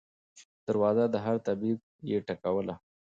دروازه د هر طبیب یې ټکوله